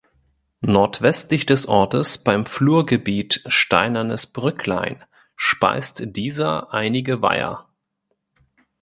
Nordwestlich des Ortes beim Flurgebiet "Steinernes Brücklein" speist dieser einige Weiher.